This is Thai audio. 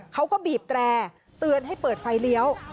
เขาก็บีบแตร่เตือนให้เปิดไฟเลี้ยว